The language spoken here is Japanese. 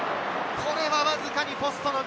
これはわずかにポストの右。